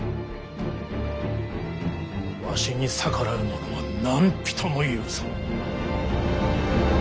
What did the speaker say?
わしに逆らう者は何人も許さぬ。